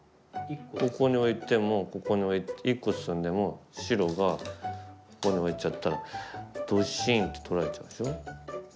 ここに置いてもここに１個進んでも白がここに置いちゃったらドッシン！って取られちゃうでしょ。